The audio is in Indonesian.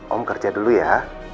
om kerja dulu ya